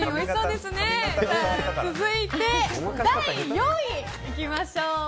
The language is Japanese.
続いて第４位いきましょう！